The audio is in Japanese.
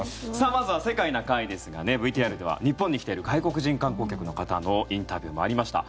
まずは「世界な会」ですがＶＴＲでは、日本に来ている外国人観光客の方のインタビューもありました。